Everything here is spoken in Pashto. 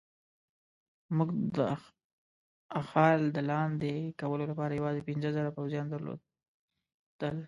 موږ د اخال د لاندې کولو لپاره یوازې پنځه زره پوځیان درلودل.